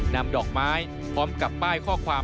นำดอกไม้พร้อมกับป้ายข้อความ